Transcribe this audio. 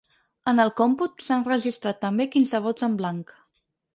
En el còmput s’han registrat també quinze vots en blanc.